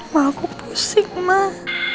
ma aku pusing mah